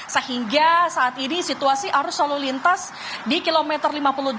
sehingga saat ini situasi arus lalu lintas di kilometer lima puluh delapan